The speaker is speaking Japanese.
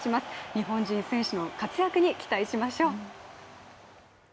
日本人選手の活躍に期待しましょう。